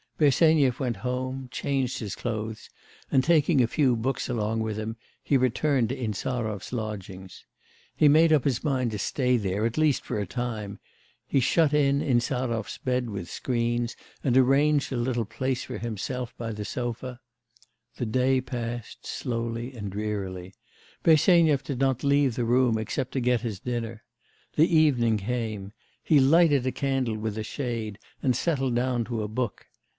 Bersenyev went home, changed his clothes, and, taking a few books along with him, he returned to Insarov's lodgings. He made up his mind to stay there, at least for a time. He shut in Insarov's bed with screens, and arranged a little place for himself by the sofa. The day passed slowly and drearily. Bersenyev did not leave the room except to get his dinner. The evening came. He lighted a candle with a shade, and settled down to a book.